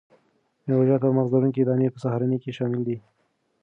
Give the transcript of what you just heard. میوه جات او مغذ لرونکي دانې په سهارنۍ کې شامل دي.